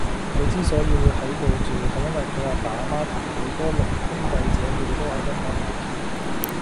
佢之所以會喺度住，係因為佢阿爸阿媽同佢個六兄弟姐妹都係音樂人